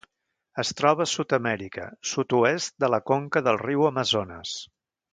Es troba a Sud-amèrica: sud-oest de la conca del riu Amazones.